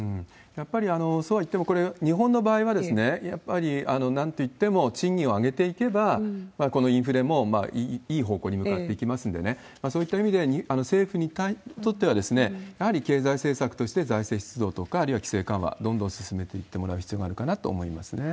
やっぱりそうはいっても、これ、日本の場合はやっぱりなんといっても賃金を上げていけば、このインフレもいい方向に向かっていきますんでね、そういった意味では、政府にとってはやはり経済政策として財政出動とか、あるいは規制緩和、どんどん進めていってもらう必要があるかなと思いますね。